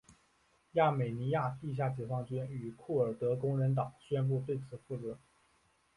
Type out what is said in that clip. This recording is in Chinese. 亚美尼亚地下解放军与库尔德工人党宣布对此负责。